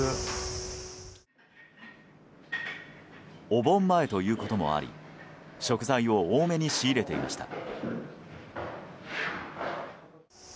お盆前ということもあり食材を多めに仕入れていました。